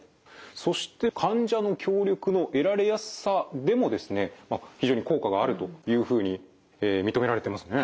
そして患者の協力の得られやすさでもですね非常に効果があるというふうに認められてますね。